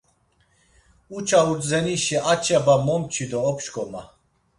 Uça urzenişi a ç̌eba momçi do opşǩoma.